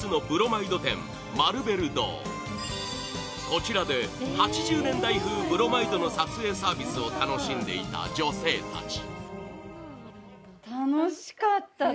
こちらで８０年代風ブロマイドの撮影サービスを楽しんでいた女性たち